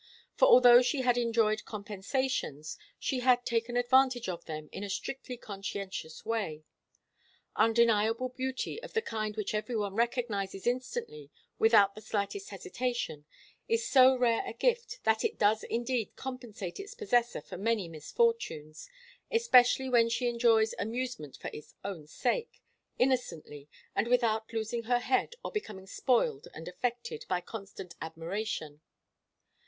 For although she had enjoyed compensations, she had taken advantage of them in a strictly conscientious way. Undeniable beauty, of the kind which every one recognizes instantly without the slightest hesitation, is so rare a gift that it does indeed compensate its possessor for many misfortunes, especially when she enjoys amusement for its own sake, innocently and without losing her head or becoming spoiled and affected by constant admiration.